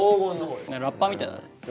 ラッパーみたいだね。